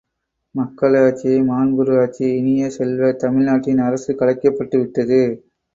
மக்களாட்சியே மாண்புறு ஆட்சி இனிய செல்வ, தமிழ் நாட்டின் அரசு கலைக்கப்பட்டு விட்டது.